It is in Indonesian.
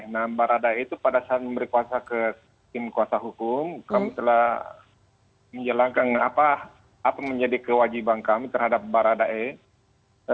nah barada e itu pada saat memberi kuasa ke tim kuasa hukum kami telah menjelangkan apa menjadi kewajiban kami terhadap barada e